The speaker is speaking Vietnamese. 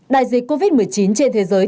đại dịch covid một mươi chín trên thế giới